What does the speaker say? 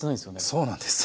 そうなんです。